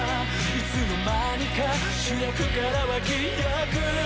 いつの間にか主役から脇役？